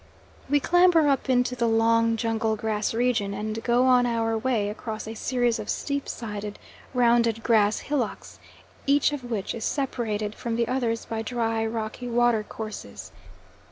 We clamber up into the long jungle grass region and go on our way across a series of steep sided, rounded grass hillocks, each of which is separated from the others by dry, rocky watercourses.